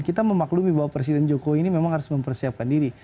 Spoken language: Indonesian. kita memaklumi bahwa presiden jokowi ini memang harus mempersiapkan diri